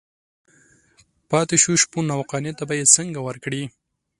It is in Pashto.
پاتې شو شپون او قانع ته به یې څنګه ورکړي.